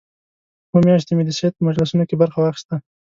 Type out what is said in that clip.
اووه میاشتې مې د سید په مجلسونو کې برخه واخیسته.